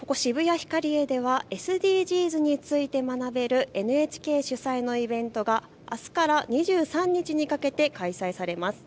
ヒカリエではＳＤＧｓについて学べるＮＨＫ主催のイベントがあすから２３日にかけて開催されます。